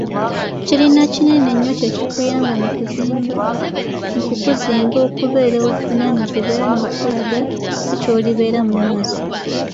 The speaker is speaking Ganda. Kirina kinene nnyo kye kiyamba mu kukuzimba okubeera ow'obuvunaanyizibwa era n'okukulaga kiki ky'olibeera mu maaso.